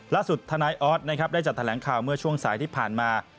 ทนายออสนะครับได้จัดแถลงข่าวเมื่อช่วงสายที่ผ่านมา